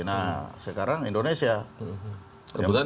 nah sekarang indonesia